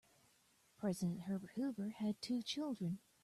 President Herbert Hoover had two children.